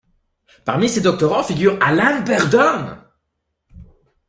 Parmi ses doctorants figure Alan Beardon.